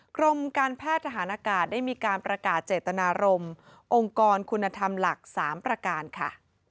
กรมการแพทย์ทหารอากาศได้มีการประกาศเจตนารมณ์องค์กรคุณธรรมหลัก๓ประการค่ะ